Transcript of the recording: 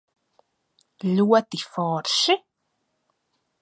Ļoti forši?